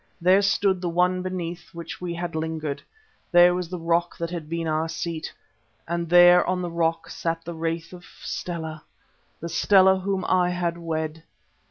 There stood the one beneath which we had lingered, there was the rock that had been our seat, and there on the rock sat the wraith of Stella, the Stella whom I had wed!